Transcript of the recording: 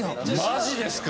マジですか。